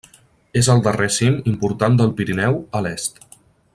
És el darrer cim important del Pirineu a l'est.